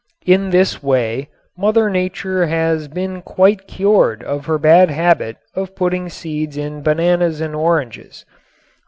In this way Mother Nature has been quite cured of her bad habit of putting seeds in bananas and oranges.